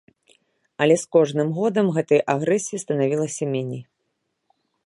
Але з кожным годам гэтай агрэсіі станавілася меней.